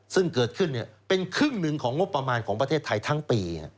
ซึ่งเกิดขึ้นเป็นครึ่งหนึ่งของงบประมาณของประเทศไทยทั้งปี